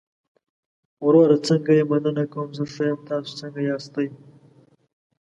وروره څنګه يې؟ مننه کوم، زه ښۀ يم، تاسو څنګه ياستى؟